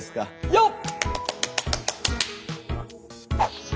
よっ！